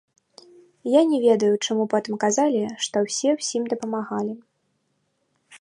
Я не ведаю, чаму потым казалі, што ўсе ўсім дапамагалі!